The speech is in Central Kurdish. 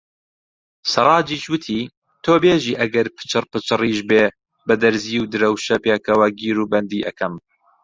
سەڕاجیش وتی: تۆ بێژی ئەگەر پچڕپچڕیش بێ بە دەرزی و درەوشە پێکەوە گیروبەندی ئەکەم.